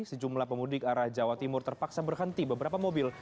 sejumlah pemudik arah jawa timur terpaksa berhenti beberapa mobil